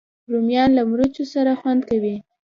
رومیان له مرچو سره خوند کوي